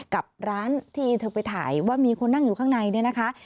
กับร้านที่เธอไปถ่ายว่ามีคนนั่งอยู่ข้างในเนี่ยนะคะ